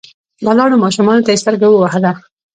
ولاړو ماشومانو ته يې سترګه ووهله.